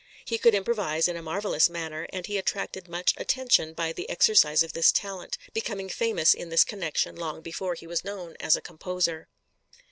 He could improvise in a marvelous manner and he attracted much attention by the exercise of this talent, becoming famous in this connection long before he was known as a composer.